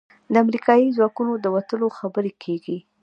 د امریکايي ځواکونو د وتلو خبرې کېږي.